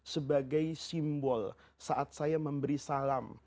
sebagai simbol saat saya memberi salam